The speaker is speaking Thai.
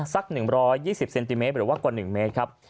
สัก๑๒๐เซนติเมตรหรือว่ากว่า๑เมตรครับ